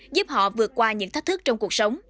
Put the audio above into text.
giúp họ vượt qua tình hình